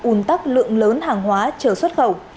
ùn tắc lượng lớn hàng hóa chờ xuất khẩu